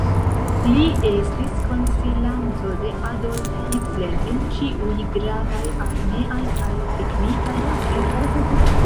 Li estis konsilanto de Adolf Hitler en ĉiuj gravaj armeaj kaj teknikaj aferoj.